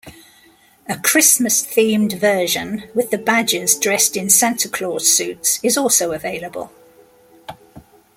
A Christmas-themed version, with the badgers dressed in Santa Claus suits, is also available.